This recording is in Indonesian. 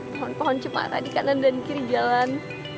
pohon pohon cemara di kanan dan kiri jalan